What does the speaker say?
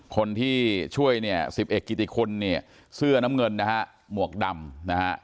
คนที่ช่วยสิบเอกกิติคุณเสื้อน้ำเงินหมวกดำ